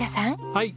はい。